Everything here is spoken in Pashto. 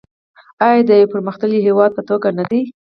آیا د یو پرمختللي هیواد په توګه نه دی؟